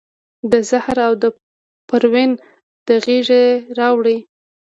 د زهرې او د پروین د غیږي راوړي